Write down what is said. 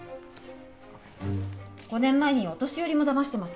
５年前にはお年寄りも騙してます。